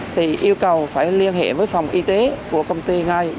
thì yêu cầu phải liên hệ với phòng y tế của công ty ngay